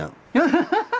ハハハハ！